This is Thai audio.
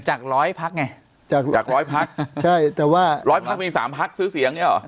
จากร้อยพักไงจากร้อยพักใช่แต่ว่าร้อยพักมีสามพักซื้อเสียงเนี่ยเหรอ